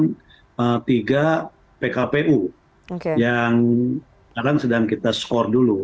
dengan tiga pkpu yang sekarang sedang kita skor dulu